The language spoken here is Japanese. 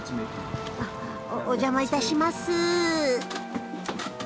お邪魔致します。